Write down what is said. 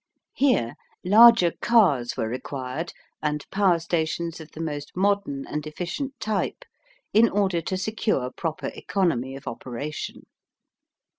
Here larger cars were required and power stations of the most modern and efficient type in order to secure proper economy of operation.